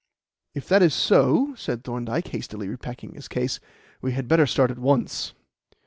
"If that is so," said Thorndyke, hastily repacking his case, "we had better start at once."